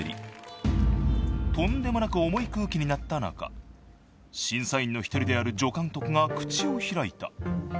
［とんでもなく重い空気になった中審査員の一人である助監督が口を開いた］